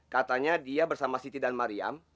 katanya dia bersama siti dan mariam